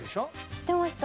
知ってました。